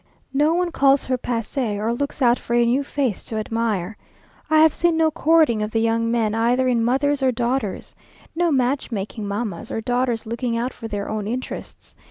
No one calls her passee, or looks out for a new face to admire. I have seen no courting of the young men either in mothers or daughters; no match making mammas, or daughters looking out for their own interests.